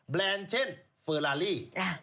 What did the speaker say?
แรนด์เช่นเฟอร์ลาลี